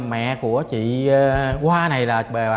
mẹ của chị qua này là